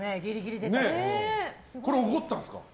これ、怒ったんですか。